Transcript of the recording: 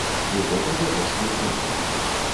І гэта дало свой плён.